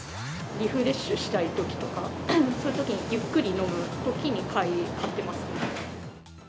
リフレッシュしたいときとか、そういうときに、ゆっくり飲むときに買ってますね。